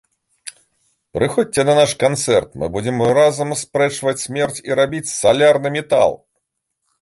Прыходзьце на наш канцэрт, мы будзем разам аспрэчваць смерць і рабіць салярны метал!